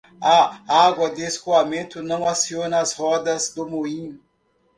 A água de escoamento não aciona as rodas do moinho.